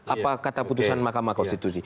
apa kata putusan mahkamah konstitusi